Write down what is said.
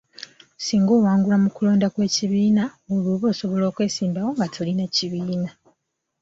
Singa owangulwa mu kulonda kw'ekibiina olwo oba osobola okwesimbawo nga tolina kibiina.